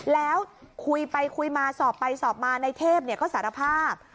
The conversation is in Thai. แล้วคุยไปคุยมาสอบไปสอบมาในเทพก็สารภาพ